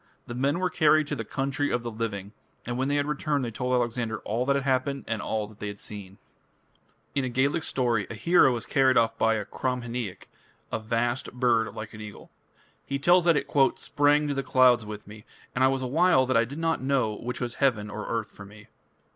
The men were carried to the "Country of the Living", and when they returned they told Alexander "all that had happened and all that they had seen". In a Gaelic story a hero is carried off by a Cromhineach, "a vast bird like an eagle". He tells that it "sprang to the clouds with me, and I was a while that I did not know which was heaven or earth for me".